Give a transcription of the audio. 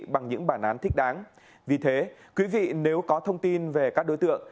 bằng những bản án thích đáng vì thế quý vị nếu có thông tin về các đối tượng